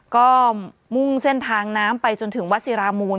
ก็มุ่งเส้นทางน้ำไปจนถึงวัดศิรามูล